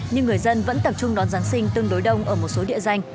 nhưng người dân vẫn tập trung đón giáng sinh tương đối đông ở một số địa danh